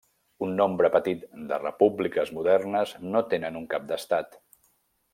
Un nombre petit de repúbliques modernes no tenen un cap d'estat.